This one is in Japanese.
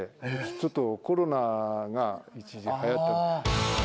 ちょっとコロナが一時はやってた。